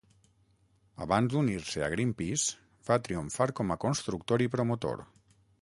Abans d'unir-se a Greenpeace, va triomfar com a constructor i promotor.